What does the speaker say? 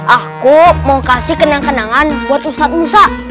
aku mau kasih kenang kenangan buat ustadz musa